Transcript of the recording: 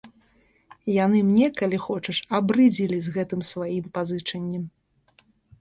Яны мне, калі хочаш, абрыдзелі з сваім гэтым пазычаннем.